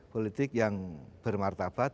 politik yang bermartabat